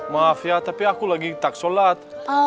maaf ya tapi aku lagi tak sholat